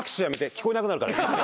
聞こえなくなるから。